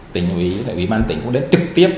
tỉnh uy uy văn tỉnh cũng đến trực tiếp